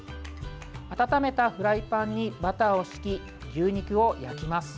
温めたフライパンにバターをひき牛肉を焼きます。